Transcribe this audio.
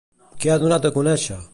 Què ha donat a conèixer?